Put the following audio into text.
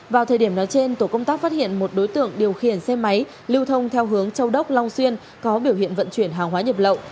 vào thời điểm nói trên tổ công tác phát hiện một đối tượng điều khiển xe máy lưu thông theo hướng châu đốc long xuyên có biểu hiện vận chuyển hàng hóa nhập lậu